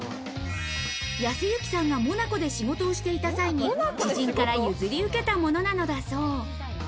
康之さんがモナコで仕事をしていた際に知人から譲り受けたものなのだそう。